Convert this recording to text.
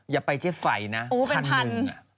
อย่าไปเจ๊ไฟนะคันหนึ่ง